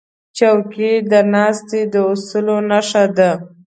چوکۍ د ناستې د اصولو نښه ده.